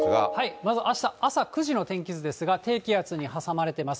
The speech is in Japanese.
まず、あした朝９時の天気図ですが、低気圧に挟まれてます。